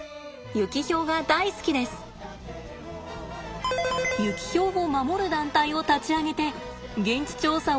ユキヒョウを守る団体を立ち上げて現地調査を続けてきました。